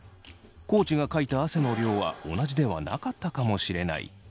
地がかいた汗の量は同じではなかったかもしれない。